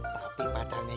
tapi pacarnya yofi